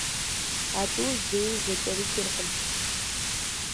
А тӀур зэи зэкӀэрыкӀыркъым.